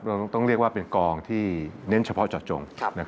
เราต้องเรียกว่าเป็นกองที่เน้นเฉพาะเจาะจง